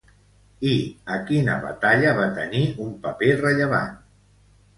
I a quina batalla va tenir un paper rellevant?